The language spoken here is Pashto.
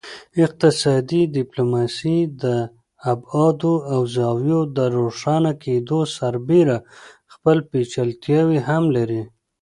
اقتصادي ډیپلوماسي د ابعادو او زاویو د روښانه کیدو سربیره خپل پیچلتیاوې هم لري